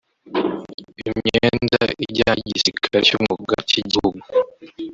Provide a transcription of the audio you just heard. imyenda ijyanye n’igisirikare cy’umwuga cy’igihugu